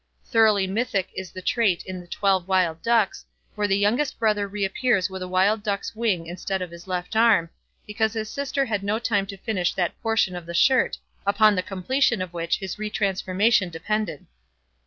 Thoroughly mythic is the trait in "The Twelve Wild Ducks", where the youngest brother reappears with a wild duck's wing instead of his left arm, because his sister had no time to finish that portion of the shirt, upon the completion of which his retransformation depended.